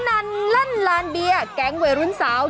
นั่นลั่นลานเบียร์แก๊งวัยรุ่นสาว